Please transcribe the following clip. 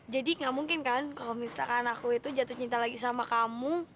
jadi gak mungkin kan kalau misalkan aku itu jatuh cinta lagi sama kamu